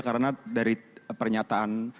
karena dari pernyataan